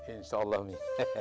insya allah mi